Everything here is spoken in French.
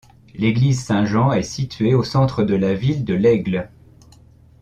L'église Saint-Jean est située au centre de la ville de L'Aigle.